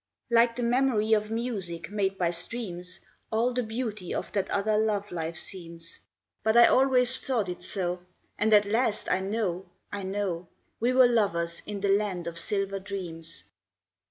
Like the memory of music made by streams, All the beauty of that other love life seems; But I always thought it so, and at last I know, I know, We were lovers in the Land of Silver Dreams.